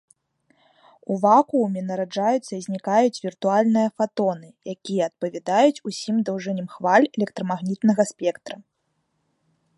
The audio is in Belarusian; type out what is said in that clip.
У вакууме нараджаюцца і знікаюць віртуальныя фатоны, якія адпавядаюць усім даўжыням хваль электрамагнітнага спектра.